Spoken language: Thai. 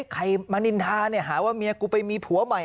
ใครมานินทาหาว่าเมียกูไปมีผัวใหม่